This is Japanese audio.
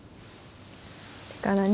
てか何？